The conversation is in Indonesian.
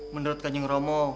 menurut kanyang romo